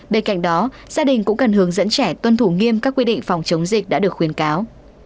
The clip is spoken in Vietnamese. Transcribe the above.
bên cạnh đó gia đình cũng cần hướng dẫn trẻ tuân thủ nghiêm các quy định phòng chống dịch đã được khuyến cáo